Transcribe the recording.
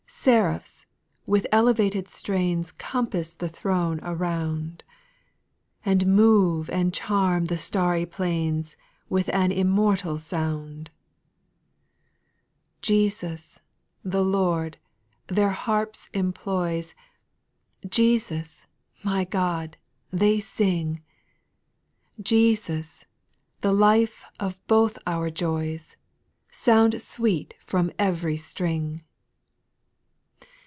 3. Seraphs with elevated strains Compass the throne around, And move and charm the starry plains With an immortal sound. SPIRITUAL SONGS. 81 4. Jesus, the Lord, their harps employs; ' Jesus, my God, they sing I Jesus, the life of both our joys, Sound sweet from, ev'ry string.